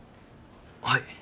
はい。